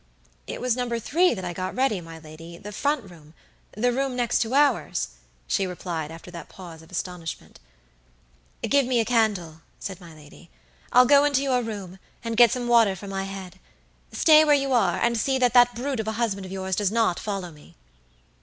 "It was number three that I got ready, my ladythe front roomthe room next to ours," she replied, after that pause of astonishment. "Give me a candle," said my lady. "I'll go into your room, and get some water for my head; stay where you are, and see that that brute of a husband of yours does not follow me!"